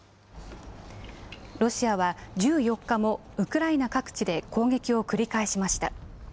ロシアは１４日も、ウクライナ各地で攻撃を繰り返しました。